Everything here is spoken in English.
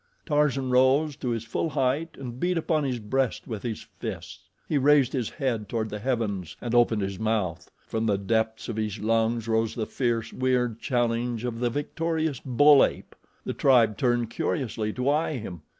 Tarzan rose to his full height and beat upon his breast with his fists. He raised his head toward the heavens and opened his mouth. From the depths of his lungs rose the fierce, weird challenge of the victorious bull ape. The tribe turned curiously to eye him.